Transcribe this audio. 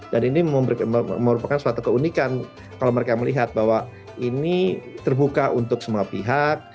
dan ini merupakan suatu keunikan kalau mereka melihat bahwa ini terbuka untuk semua pihak